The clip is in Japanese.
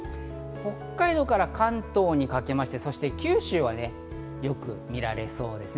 北海道から関東にかけまして、そして九州はよく見られそうです。